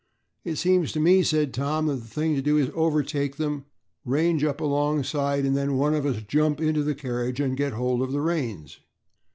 "It seems to me," said Tom, "that the thing to do is to overtake them, range up alongside and then one of us jump into the carriage and get hold of the reins."